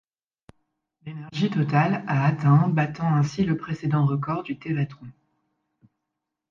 L'énergie totale a atteint battant ainsi le précédent record du Tevatron.